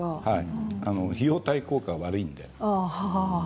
費用対効果が悪いので。